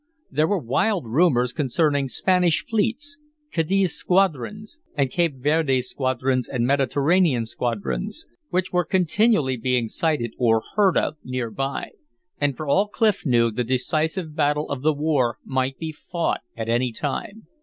There were wild rumors concerning Spanish fleets, Cadiz squadrons and Cape Verde squadrons and Mediterranean squadrons, which were continually being sighted or heard of nearby; and for all Clif knew the decisive battle of the war might be fought at any time.